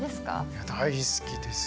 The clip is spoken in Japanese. いや大好きです。